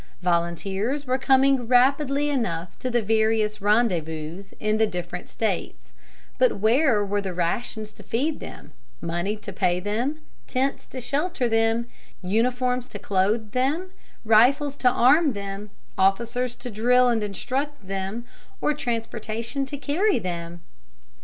Volunteers were coming rapidly enough to the various rendezvous in the different States, but where were the rations to feed them, money to pay them, tents to shelter them, uniforms to clothe them, rifles to arm them, officers to drill and instruct them, or transportation to carry them?